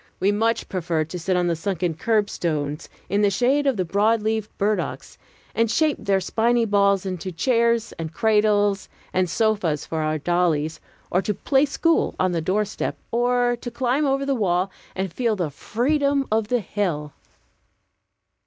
We much preferred to sit on the sunken curbstones, in the shade of the broad leaved burdocks, and shape their spiny balls into chairs and cradles and sofas for our dollies, or to "play school" on the doorsteps, or to climb over the wall, and to feel the freedom of the hill.